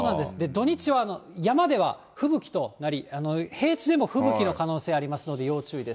土日は山では吹雪となり、平地でも吹雪の可能性ありますので、要注意です。